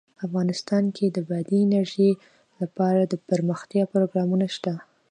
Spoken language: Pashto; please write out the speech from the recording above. افغانستان کې د بادي انرژي لپاره دپرمختیا پروګرامونه شته.